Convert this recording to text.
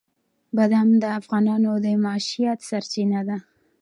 بادام د افغانانو د معیشت سرچینه ده.